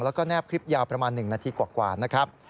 แล้วก็แนบคลิปยาวประมาณ๑นาทีกว่านะครับ